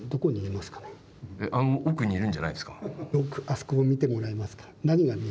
あそこを見てもらえますか？